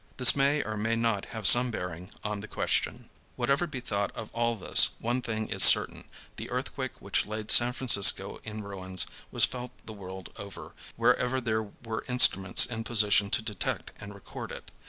This may or may not have some bearing on the question. Whatever be thought of all this, one thing is certain, the earthquake which laid San Francisco in ruins was felt the world over, wherever there were instruments in position to detect and record it.